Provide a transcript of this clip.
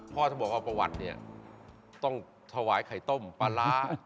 ต้องบอกว่าประวัติเนี่ยต้องถวายไข่ต้มปลาร้า